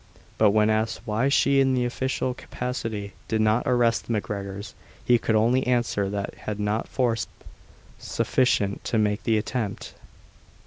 But when asked why he, in his official capacity, did not arrest the MacGregors, he could only answer, that he had not force sufficient to make the attempt.